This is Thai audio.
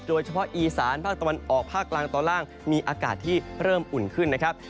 โดยเฉพาะอีสานภาคตะวันออกภาคกลางตอนล่างมีอากาศที่เริ่มอุ่นขึ้นนะครับ